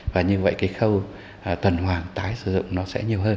và như vậy cái khâu tuần hoàng tái sử dụng nó sẽ nhiều hơn